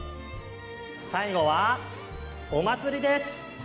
最後は、お祭りです！